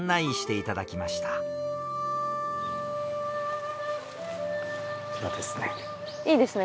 こちらですね。